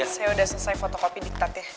saya sudah selesai fotokopi diktat ya